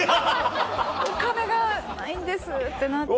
お金がないんです」ってなって。